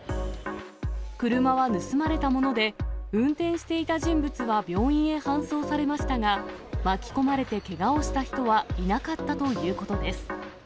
車は盗まれたもので、運転していた人物は病院へ搬送されましたが、巻き込まれてけがをした人はいなかったということです。